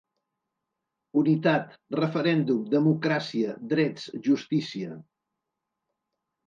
Unitat’, ‘referèndum’, ‘democràcia’, ‘drets’, ‘justícia’.